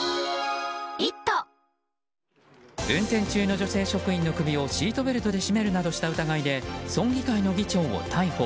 運転中の女性職員の首をシートベルトで絞めるなどした疑いで村議会の議長を逮捕。